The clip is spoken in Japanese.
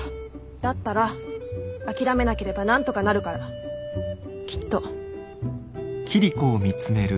だったら諦めなければなんとかなるからきっと。